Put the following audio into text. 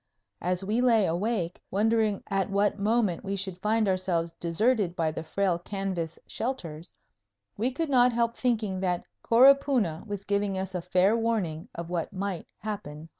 As we lay awake, wondering at what moment we should find ourselves deserted by the frail canvas shelters, we could not help thinking that Coropuna was giving us a fair warning of what might happen higher up.